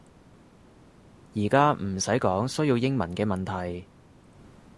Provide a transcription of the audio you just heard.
而家唔使講需要英文嘅問題